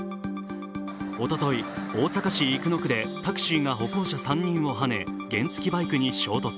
おととい、大阪市生野区でタクシーが歩行者３人をはね、原付きバイクに衝突。